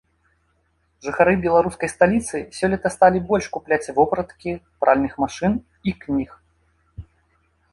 Жыхары беларускай сталіцы сёлета сталі больш купляць вопраткі, пральных машын і кніг.